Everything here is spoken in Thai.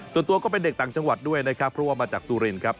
ส่วนตัวก็เป็นเด็กต่างจังหวัดด้วยนะครับเพราะว่ามาจากสุรินครับ